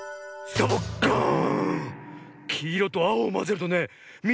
サボッカーン！